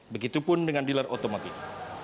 begitupun dengan dealer otomatik